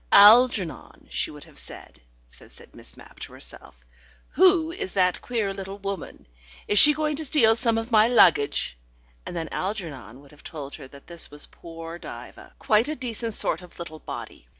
"Algernon," she would have said (so said Miss Mapp to herself), "who is that queer little woman? Is she going to steal some of my luggage?" And then Algernon would have told her that this was poor Diva, quite a decent sort of little body.